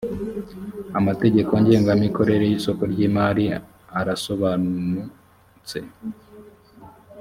amategeko ngengamikorere y’isoko ry’imari arasobanuitse